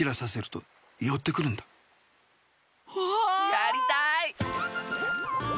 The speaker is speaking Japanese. やりたい！